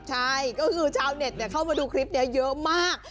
ใช่ก็คือชาวเน็ตเข้ามาดูคลิปนี้เยอะมาก